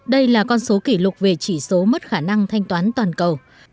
đây là con số kỷ lục về chỉ số mất khả năng thanh toán toàn cầu